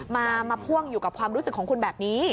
มาพ่วงอยู่กับความรู้สึกของคุณแบบนี้